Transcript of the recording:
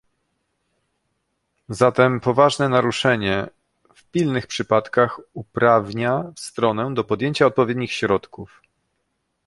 Zatem poważne naruszenie w pilnych przypadkach uprawnia stronę do podjęcia odpowiednich środków